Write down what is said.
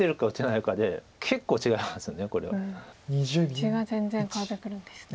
地が全然変わってくるんですね。